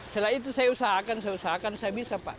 setelah itu saya usahakan saya usahakan saya bisa pak